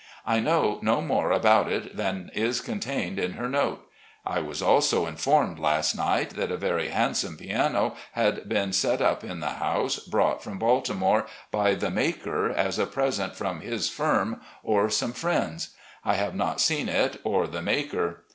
I know no more about it than is contained in her note. I was also informed, last night, that a very handsome piano had been set up in the house, brought from Balti more by the maker as a present from his firm or some friends. I have not seen it or the maker.